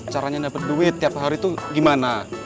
caranya dapat duit tiap hari itu gimana